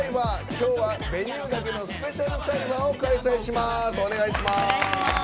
今日は「Ｖｅｎｕｅ」だけのスペシャルサイファーを開催します。